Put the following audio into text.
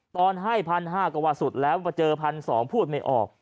ตอนให้๑๕๐๐ก็ว่าสุดแล้วมาเจอ๑๒๐๐พูดไม่ออก